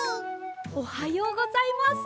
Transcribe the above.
おはようございます。